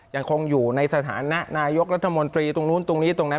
ยังคงอยู่ในสถานะนายกรัฐมนตรีตรงนู้นตรงนี้ตรงนั้น